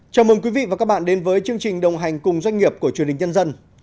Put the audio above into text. chào mừng quý vị và các bạn đến với chương trình đồng hành cùng doanh nghiệp của truyền hình nhân dân